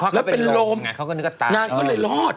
เขาก็เป็นโรงไงเขาก็นึกว่าตายแล้วเป็นโรงนานเขาเลยรอด